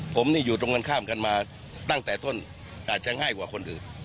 ผมนี่อยู่ตรงกันข้ามกันมาตั้งแต่ต้นอาจจะง่ายกว่าคนอื่น